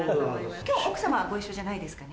今日奥様はご一緒じゃないですかね？